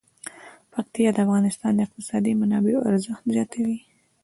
پکتیا د افغانستان د اقتصادي منابعو ارزښت زیاتوي.